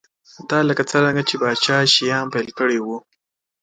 دا لکه څرنګه چې پاچا شیام پیل کړی و